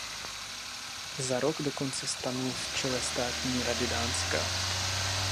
Za rok dokonce stanul v čele státní rady Dánska.